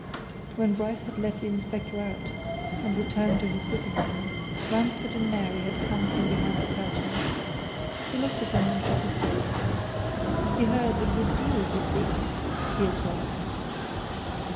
When Bryce had let the inspector out and returned to his sitting room, Ransford and Mary had come from behind the curtains. He looked at them and shook his head. "You heard a good deal, you see," he observed.